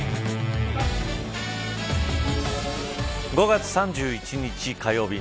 ５月３１日火曜日